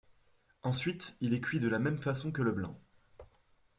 Ensuite, il est cuit de la même façon que le blanc.